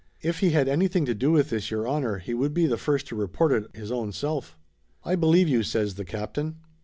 "If he had anything to do with this, Your Honor, he would be the first to report it his own self !" "I believe you!" says the captain.